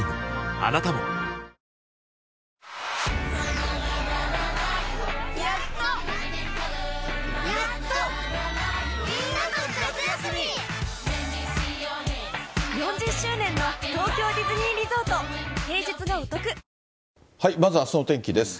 あなたもまずはあすの天気です。